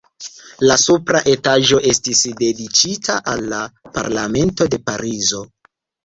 La supra etaĝo estis dediĉita al la Parlamento de Parizo.